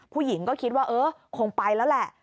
ผู้หญิงก็คิดว่าเออคงไปแล้วแหละ